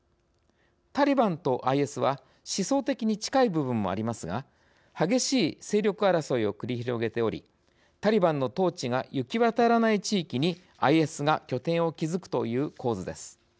タリバンとＩＳは思想的に近い部分もありますが激しい勢力争いを繰り広げておりタリバンの統治が行き渡らない地域にＩＳが拠点を築くという構図です。